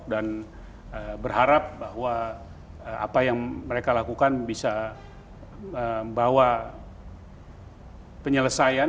dan berharap bahwa apa yang mereka lakukan bisa membawa penyelesaian